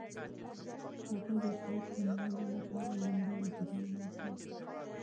هغه د ښار د نیولو لپاره لومړی اقدام وکړ.